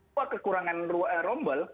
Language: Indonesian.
goa kekurangan rombol